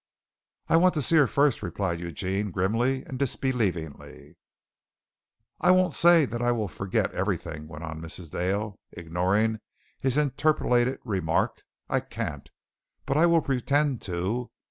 "I want to see her first," replied Eugene grimly and disbelievingly. "I won't say that I will forget everything," went on Mrs. Dale, ignoring his interpolated remark. "I can't but I will pretend to.